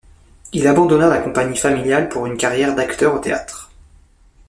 Il abandonna la compagnie familiale pour une carrière d'acteur au théâtre.